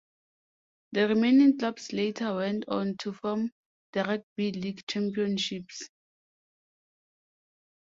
The remaining clubs later went on to form the Rugby League Championships.